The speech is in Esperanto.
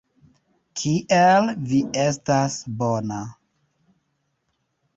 Kiel vi estas bona.